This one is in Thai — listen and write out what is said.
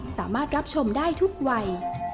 สามารถรับชมได้ทุกวัย